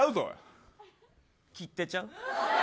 切手、ちゃう。